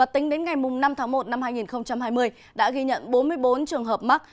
tính đến ngày năm tháng một năm hai nghìn hai mươi đã ghi nhận bốn mươi bốn trường hợp mắc